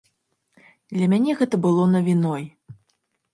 Для мяне гэта было навіной.